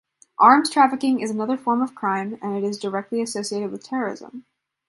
Arms trafficking is another form of crime and it is directly associated with terrorism.